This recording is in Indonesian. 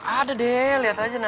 ada deh liat aja nanti